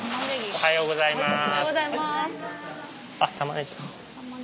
おはようございます。